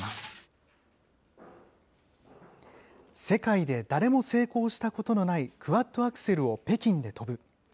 世界で誰も成功したことのないクワッドアクセルを北京で跳ぶ。